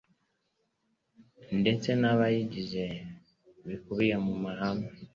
ndetse n abazigize bikubiye mu mahame